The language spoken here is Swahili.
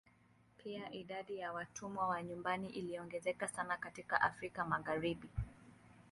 Pia idadi ya watumwa wa nyumbani iliongezeka sana katika Afrika Magharibi.